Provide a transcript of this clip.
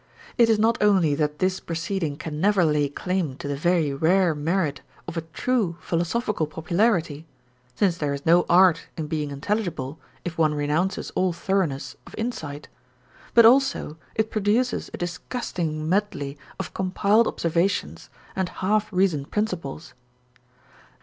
It is not only that this proceeding can never lay claim to the very rare merit of a true philosophical popularity, since there is no art in being intelligible if one renounces all thoroughness of insight; but also it produces a disgusting medley of compiled observations and half reasoned principles.